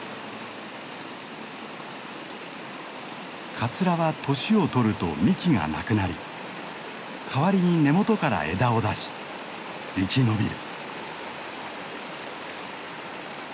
カツラは年をとると幹がなくなり代わりに根元から枝を出し生き延びる。